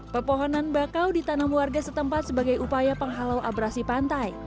pepohonan bakau ditanam warga setempat sebagai upaya penghalau abrasi pantai